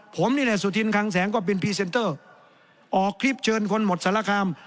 ผมนี่แหละสุธินคังแสงก็เป็นพรีเซนเตอร์ออกคลิปเชิญคนหมดสารคาม